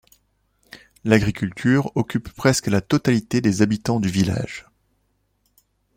L'agriculture occupe presque la totalité des habitants du village.